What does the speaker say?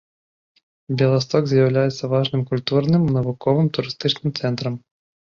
Беласток з'яўляецца важным культурным, навуковым, турыстычным цэнтрам.